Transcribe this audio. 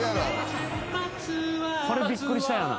これびっくりしたよな。